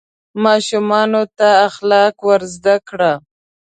ماشومانو ته اخلاق ور زده کړه.